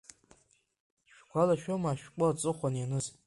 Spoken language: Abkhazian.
Ишәгәалашәома ашәҟәы аҵыхәан ианыз?